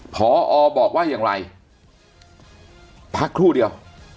พอบอกว่าอย่างไรพักครู่เดียว